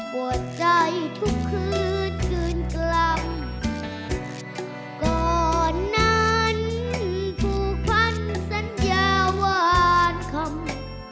ปวดใจทุกคืนคืนกล่ำก่อนนั้นผู้พันสัญญาวานคำ